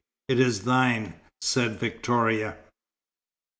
It is thine," said Victoria.